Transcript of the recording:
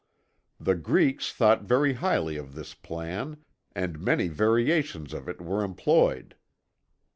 The Greeks thought very highly of this plan, and many variations of it were employed.